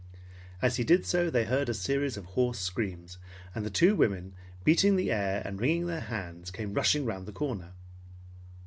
As he did so, they heard a series of hoarse screams, and the two women, beating the air and wringing their hands, came rushing around the corner.